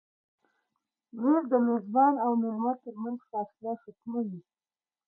مېز د میزبان او مېلمه تر منځ فاصله ختموي.